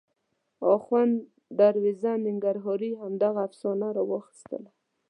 اخوند دروېزه ننګرهاري همدغه افسانه راواخیستله.